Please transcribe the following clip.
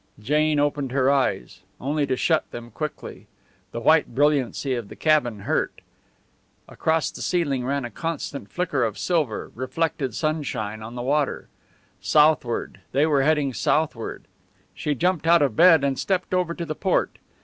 Jane opened her eyes, only to shut them quickly. The white brilliancy of the cabin hurt. Across the ceiling ran a constant flicker of silver reflected sunshine on the water. Southward they were heading southward. She jumped out of bed and stepped over to the port.